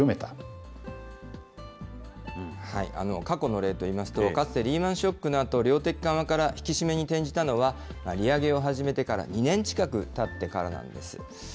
過去の例といいますと、かつてリーマンショックのあと、量的緩和から引き締めに転じたのは、利上げを始めてから２年近くたってからなんです。